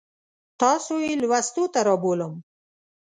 تاسو یې لوستو ته رابولم.